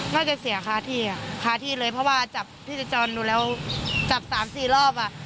น่าจะเสียค่าที่อ่ะคาที่เลยเพราะว่าจับที่จะจรดูแล้วจับ๓๔รอบอ่ะ